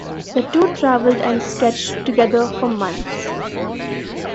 The two travelled and sketched together for months.